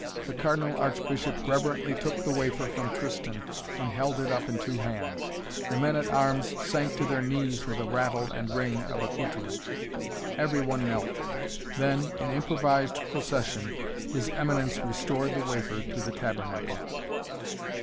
The Cardinal Archbishop reverently took the wafer from Tristan and held it up in two hands. The men at arms sank to their knees with a rattle and ring of accoutrement. Every one knelt. Then in improvised procession, His Eminence restored the wafer to the tabernacle.